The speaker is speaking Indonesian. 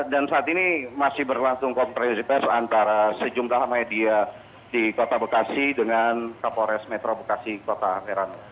dan saat ini masih berlangsung kompresi pers antara sejumlah media di kota bekasi dengan kapolres metro bekasi kota serano